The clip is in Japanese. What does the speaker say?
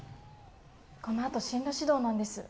このあと進路指導なんです。